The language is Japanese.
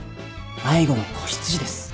迷子の子羊です。